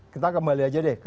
kita kembali aja deh